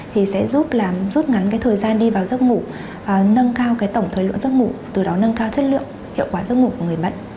thì sẽ giúp làm rút ngắn cái thời gian đi vào giấc ngủ nâng cao cái tổng thời lượng giấc ngủ từ đó nâng cao chất lượng hiệu quả giấc ngủ của người bệnh